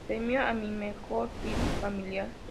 Premio a mejor film familiar.